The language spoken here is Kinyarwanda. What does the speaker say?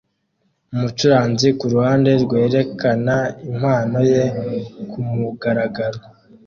Umucuranzi kuruhande rwerekana impano ye kumugaragaro